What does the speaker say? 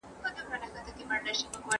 د تاریخ په پاڼو کي رښتیا ولټوئ.